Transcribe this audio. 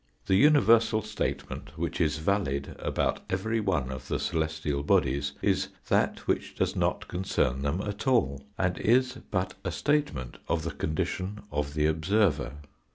The universal statement which is valid about every one of the celestial bodies is that which does not concern them at all, and is but a statement of the condition of the observer.